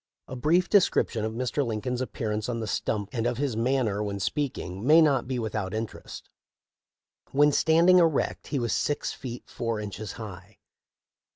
A brief description of Mr. Lincoln's appearance on the stump and of his manner when speaking may not be without interest. When standing erect he was six feet four inches high.